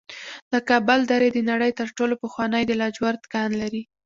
د کابل درې د نړۍ تر ټولو پخوانی د لاجورد کان دی